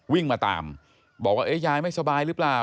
วิ่งมาตามบอกว่ายายไม่สบายหรือเปล่า